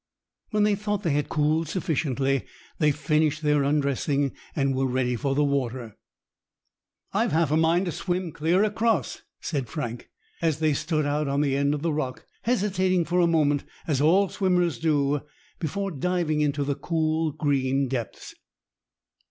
When they thought they had cooled sufficiently, they finished their undressing and were ready for the water. "I've half a mind to swim clear across," said Frank, as they stood out on the end of the rock, hesitating for a moment, as all swimmers do, before diving into the cool, green depths.